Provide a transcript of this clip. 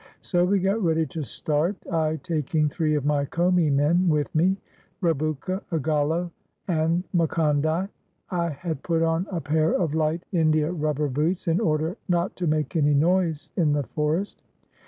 So we got ready to start, I taking three of my Commi men with me — Rebouka, Igalo, and Macondai. I had put on 401 WESTERN AND CENTRAL AFRICA a pair of light India rubber boots in order not to make any noise in the forest.